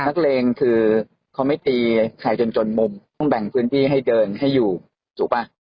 นักเลงคือเขาไม่ตีใครจนจนมุมต้องแบ่งพื้นที่ให้เดินให้อยู่ถูกป่ะ